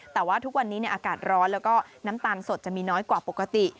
แต่ว่าทุกวันนี้อากาศร้อนแล้วก็น้ำตาลสดจะมีน้อยกว่าปกติ